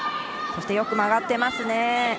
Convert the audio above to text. よく曲がっていますね。